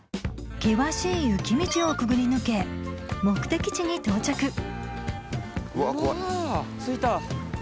険しい雪道をくぐり抜け目的地に到着あ着いた。